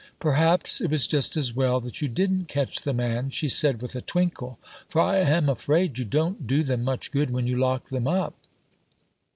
"Perhaps it was just as well that you didn't catch the man," she said with a twinkle, "for I am afraid you don't do them much good when you lock them up."